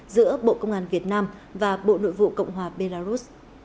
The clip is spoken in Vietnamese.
giữa bộ công an việt nam và bộ nội vụ cộng hòa belarus